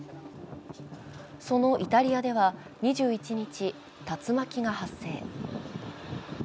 そのイタリアでは２１日竜巻が発生。